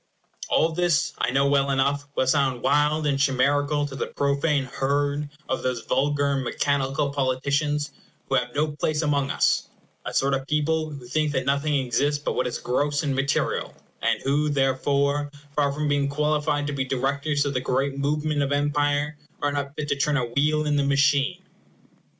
All this, I know well enough, will sound wild and chimerical to the profane herd of those vulgar and mechanical politicians who have no place among us; a sort of people who think that nothing exists but what is gross and material, and who, therefore, far from being qualified to be directors of the great movement of empire, are not fit to turn a wheel in the machine.